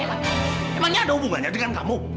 emangnya ada hubungannya dengan kamu